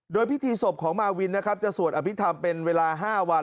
โดยพิธีศพของมาวินนะครับจะสวดอภิษฐรรมเป็นเวลา๕วัน